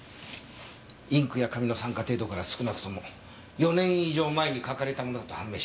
インクや紙の酸化程度から少なくとも４年以上前に書かれたものだと判明した。